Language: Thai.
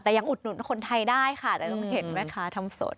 แต่ยังอุดหนุนคนไทยได้ค่ะแต่ต้องเห็นแม่ค้าทำสด